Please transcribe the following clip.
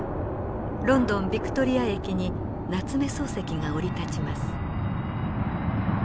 ロンドンヴィクトリア駅に夏目漱石が降り立ちます。